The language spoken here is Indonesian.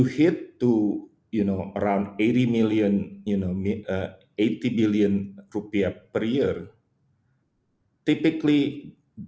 ketika anda mencapai sekitar delapan puluh juta rupiah setiap tahun